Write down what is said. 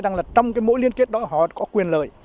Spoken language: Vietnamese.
rằng là trong cái mối liên kết đó họ có quyền lợi